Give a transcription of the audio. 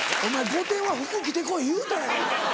『御殿‼』は服着てこい言うたやろ俺は。